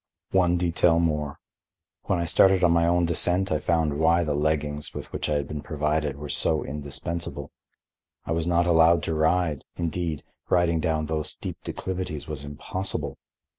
One detail more. When I stared on my own descent I found why the leggings, with which I had been provided, were so indispensable. I was not allowed to ride; indeed, riding down those steep declivities was impossible.